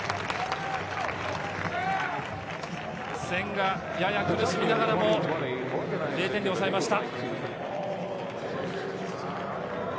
千賀、やや苦しみながらも０点に抑えました。